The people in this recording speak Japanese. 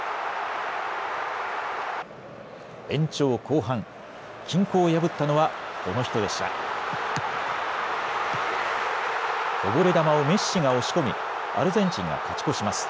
延長後半、均衡を破ったのはこの人でした。